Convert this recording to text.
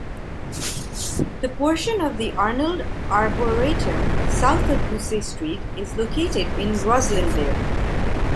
The portion of the Arnold Arboretum south of Bussey Street is located in Roslindale.